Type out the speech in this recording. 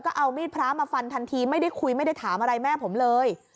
ก็เอามีดพระมาฟันทันทีไม่ได้คุยไม่ได้ถามอะไรแม่ผมเลย